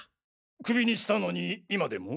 クビにしたのに今でも？